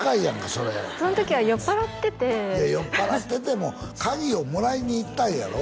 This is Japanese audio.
それその時は酔っぱらってていや酔っぱらってても鍵をもらいに行ったんやろ？